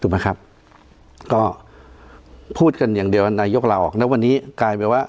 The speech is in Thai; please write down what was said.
ถูกไหมครับก็พูดกันอย่างเดียวนายกราบหนักวันนี้กลายเป็นว่า